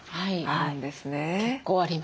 はい結構あります。